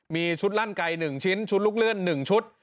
มีชุดลั่นไก่๑ชิ้นชุดลูกเลื่อน๑ชุด